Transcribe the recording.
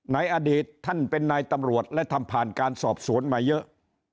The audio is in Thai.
ในอดีตท่านเป็นนายตำรวจและทำผ่านการสอบสวนมาเยอะ